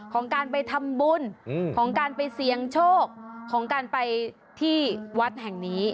ของการไปทำบุญของการไปเสี่ยงโชคของการไปที่วัดแห่งนี้